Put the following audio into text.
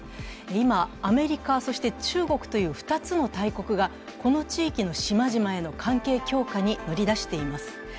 今、アメリカ、そして中国という２つの大国がこの地域の島々への関係強化に乗り出しています。